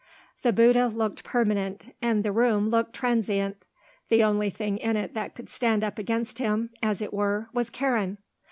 The Bouddha looked permanent and the room looked transient; the only thing in it that could stand up against him, as it were, was Karen.